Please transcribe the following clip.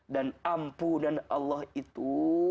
dan ampunan allah itu